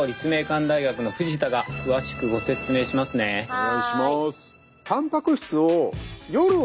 お願いします。